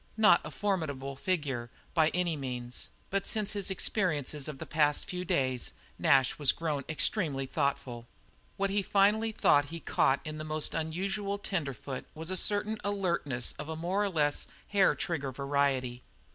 Not a formidable figure by any means, but since his experiences of the past few days, Nash was grown extremely thoughtful. What he finally thought he caught in this most unusual tenderfoot was a certain alertness of a more or less hair trigger variety.